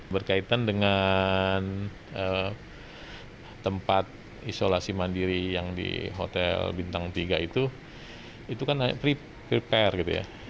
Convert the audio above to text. berkaitan dengan tempat isolasi mandiri yang di hotel bintang tiga itu itu kan prepare gitu ya